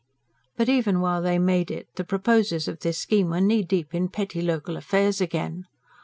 But, even while they made it, the proposers of this scheme were knee deep in petty, local affairs again.